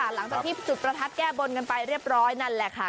หลังจากที่จุดประทัดแก้บนกันไปเรียบร้อยนั่นแหละค่ะ